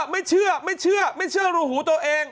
ไม่เชื่อไม่เชื่อไม่เชื่อรูหูตัวเอง